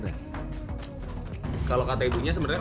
kalau kata ibunya sebenernya kalau misalkan nih semuanya dimasukin begini saja